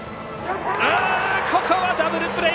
ここはダブルプレー。